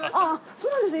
そうなんですね